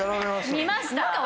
見ました？